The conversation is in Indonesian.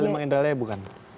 paling mengendalanya bukan